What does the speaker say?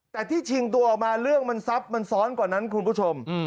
แต่ที่ชิงตัวออกมาเรื่องมันซับมันซ้อนกว่านั้นคุณผู้ชม